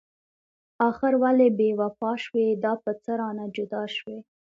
اخر ولې بې وفا شوي؟ دا په څه رانه جدا شوي؟